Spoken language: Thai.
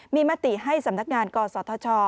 มีมติให้สำนักงานกศธช